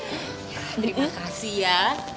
terima kasih ya